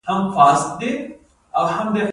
آیا د جوارو کښت زیات شوی؟